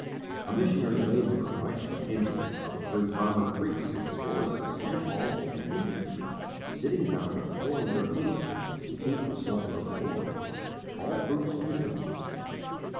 A missionary labourer writes from India, of three Brahman priests and scores of Santhals and Hindus, sitting down with four Europeans to keep the supper of the Lord all fruits of his ministry.